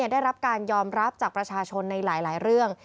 ได้รับการยอมรับจากประชาชนในหลายเรื่อง